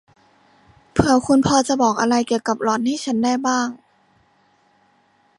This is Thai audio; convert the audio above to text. เผื่อคุณพอจะบอกอะไรเกี่ยวกับหล่อนให้ฉันได้บ้าง